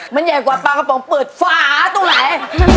มันใหญ่กว่าปลากระป๋องเปิดฝาตรงไหน